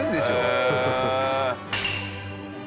へえ。